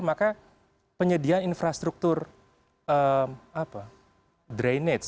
maka penyediaan infrastruktur drainage